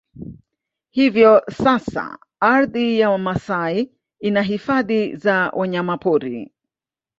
Hivyo sasa ardhi ya Wamasai ina Hifadhi za Wanyamapori